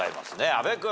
阿部君。